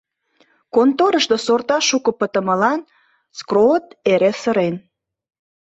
Конторышто сорта шуко пытымылан Скроот эре сырен.